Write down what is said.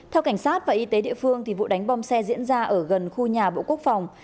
theo cảnh sát và y tế địa phương vụ đánh bom xe diễn ra ở gần khu nhà bộ quốc phòng